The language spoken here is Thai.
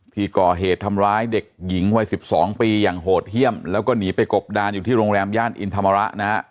ที่ก่อเหตุทำร้ายเด็กหญิงวัย๑๒ปีอย่างโหดเยี่ยมแล้วก็หนีไปกบดานอยู่ที่โรงแรมย่านอินธรรมระนะฮะ